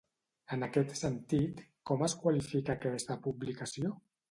En aquest sentit, com es qualifica aquesta publicació?